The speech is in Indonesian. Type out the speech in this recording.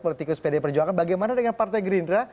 politikus pd perjuangan bagaimana dengan partai gerindra